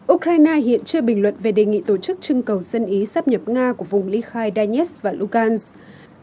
ukraine hiện chưa bình luận về đề nghị tổ chức trưng cầu dân ý sắp nhập nga của vùng ly khai danis và lukas